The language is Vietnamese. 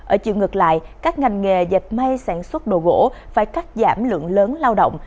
ở chiều ngược lại các ngành nghề dệt may sản xuất đồ gỗ phải cắt giảm lượng lớn lao động